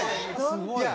すごいな。